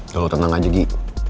tau tentang aja gi